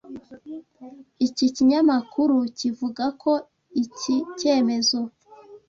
Iki kinyamakuru kivuga ko iki cyemezo